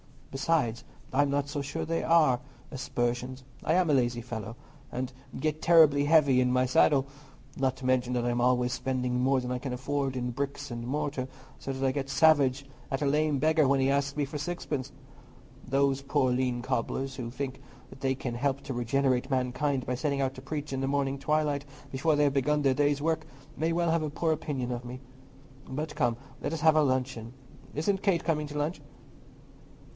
Besides, I'm not so sure that they are aspersions. I am a lazy fellow, and get terribly heavy in my saddle; not to mention that I'm always spending more than I can afford in bricks and mortar, so that I get savage at a lame beggar when he asks me for sixpence. Those poor lean cobblers, who think they can help to regenerate mankind by setting out to preach in the morning twilight before they begin their day's work, may well have a poor opinion of me. But come, let us have our luncheon. Isn't Kate coming to lunch?"